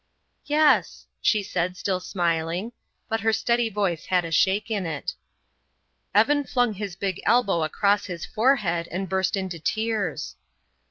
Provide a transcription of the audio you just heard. "Yes," she said, still smiling, but her steady voice had a shake in it. Evan flung his big elbow across his forehead and burst into tears.